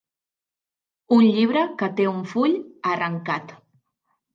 Un llibre que té un full arrencat.